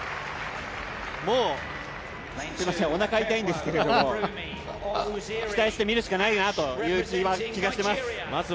もうおなか痛いんですけど、期待して見るしかないかなという気がしています。